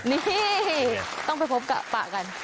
นี่ต้องไปพบกะปะกัน